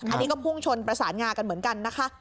อันนี้ก็พุ่งชนประสานงากันเหมือนกันนะคะ